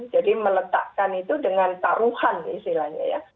jadi meletakkan itu dengan taruhan istilahnya ya